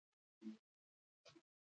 د مقاومت ملا ماتوي.